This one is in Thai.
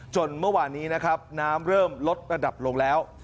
จนเมื่อวานี้น้ำเริ่มลดระดับลงแล้ว